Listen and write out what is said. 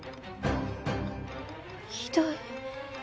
ひどい。